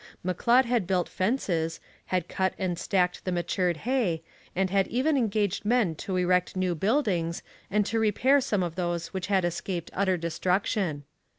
M'Leod had built fences, had cut and stacked the matured hay, and had even engaged men to erect new buildings and to repair some of those which had escaped utter destruction.